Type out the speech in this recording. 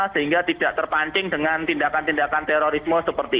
sehingga tidak terpancing dengan tindakan tindakan terorisme seperti ini